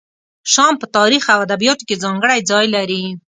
شام په تاریخ او ادبیاتو کې ځانګړی ځای لري.